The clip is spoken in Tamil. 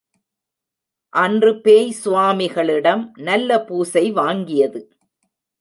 அன்று பேய் சுவாமிகளிடம் நல்ல பூசை வாங்கியது.